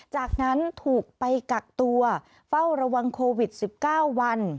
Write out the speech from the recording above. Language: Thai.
จากนั้นถูกไปกักตัวเฝ้าระวังโควิด๑๙วัน